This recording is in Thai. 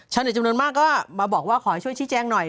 จำนวนมากก็มาบอกว่าขอให้ช่วยชี้แจงหน่อย